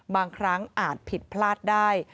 บางครั้งอาจผิดพลาดได้